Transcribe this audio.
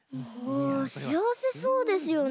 しあわせそうですよね。